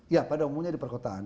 ya pada umumnya di perkotaan